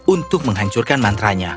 untuk menghancurkan mantra nya